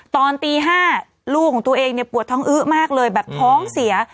ตอนตี๕ลูกของตัวเองเนี่ยปวดท้องอื้อมากเลยแบบท้องเสีย